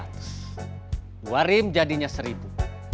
dua rim jadinya seribu